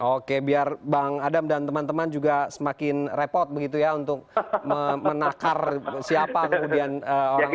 oke biar bang adam dan teman teman juga semakin repot begitu ya untuk menakar siapa kemudian orang ini